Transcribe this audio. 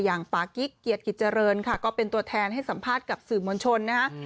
ปากิ๊กเกียรติกิจเจริญค่ะก็เป็นตัวแทนให้สัมภาษณ์กับสื่อมวลชนนะฮะ